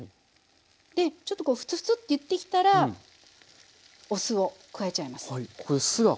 でちょっとこうフツフツっていってきたらお酢を加えちゃいます。